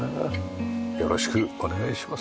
よろしくお願いします。